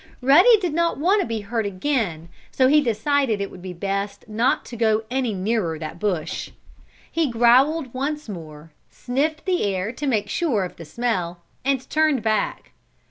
Ruddy did not want to be hurt again, and so he decided it would be best not to go any nearer that bush. He growled once more, sniffed the air to make sure of the smell, and turned back.